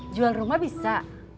jual rumah bisa